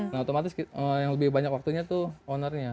nah otomatis yang lebih banyak waktunya tuh owner nya